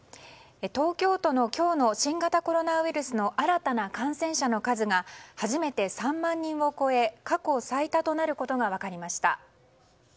東京都の今日の新型コロナウイルスの新たな感染者の数が初めて３万人を超え過去最多となることが分かりました。